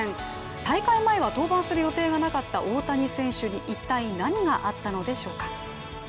大会前は登板する予定がなかった大谷選手に一体何があったのでしょうか。